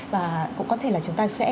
và cũng có thể là chúng ta sẽ